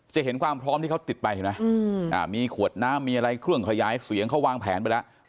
จะเห็นความพร้อมที่เขาติดไปเห็นไหมมีขวดน้ำมีอะไรเครื่องขยายเสียงเขาวางแผนไปแล้ว